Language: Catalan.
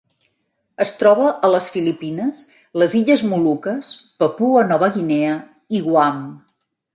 Es troba a les Filipines, les Illes Moluques, Papua Nova Guinea i Guam.